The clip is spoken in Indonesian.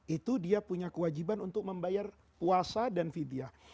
itu dia punya kewajiban untuk membayar puasa dan vidya